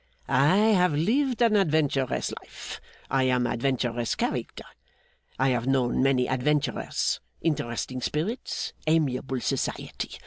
'I have lived an adventurous life. I am an adventurous character. I have known many adventurers; interesting spirits amiable society!